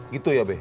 gitu ya be